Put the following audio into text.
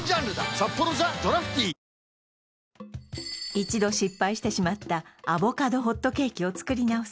一度失敗してしまったアボカドホットケーキを作り直す